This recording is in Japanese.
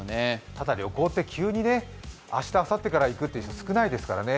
ただ旅行って、急に明日あさってから行くって人少ないですからね。